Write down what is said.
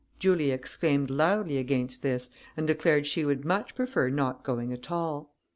Julia exclaimed loudly against this, and declared she would much prefer not going at all.